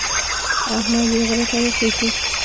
احمد چې غره ته وخېژي،